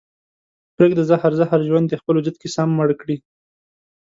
پرېږده زهر زهر ژوند دې خپل وجود کې سم مړ کړي